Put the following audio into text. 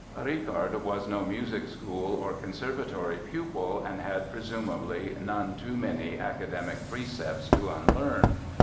Richard was no music school or conservatory pupil, and had presumably none too many academic precepts to unlearn.